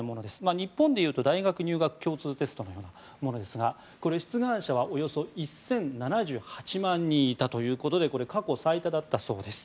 日本でいうと大学入学共通テストのようなものですがこれ、出願者はおよそ１０７８万人いたということでこれは過去最多だったそうです。